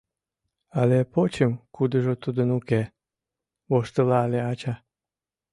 — Але почым, кудыжо тудын уке! — воштылале ача.